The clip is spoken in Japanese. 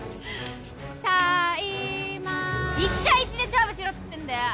１対１で勝負しろっつってんだよ！